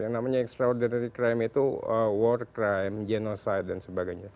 yang namanya extraordinary crime itu war crime genoside dan sebagainya